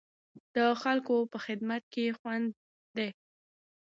د خلکو په خدمت کې خوند دی.